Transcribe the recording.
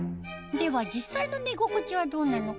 では実際の寝心地はどうなのか？